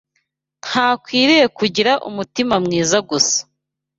Ntakwiriye kugira umutima mwiza gusa